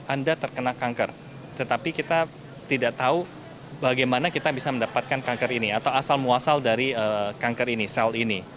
anda terkena kanker tetapi kita tidak tahu bagaimana kita bisa mendapatkan kanker ini atau asal muasal dari kanker ini sel ini